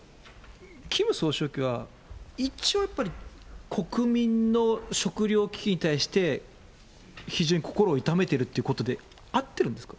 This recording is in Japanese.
キム総書記は、一応やっぱり国民の食料危機に対して、非常に心を痛めてるってことで合ってるんですか。